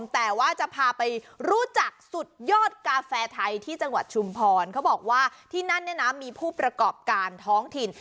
แต่ว่าจะพาไปรู้จักสุดยอดกาแฟไทยที่จังหวัดชุมพรเขาบอกว่าที่นั่นเนี่ยนะมีผู้ประกอบการท้องถิ่น